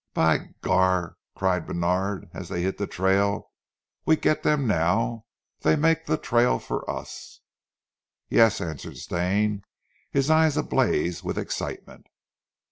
"By gar!" cried Bènard as they hit the trail, "we get dem now, dey make zee trail for us." "Yes," answered Stane, his eyes ablaze with excitement.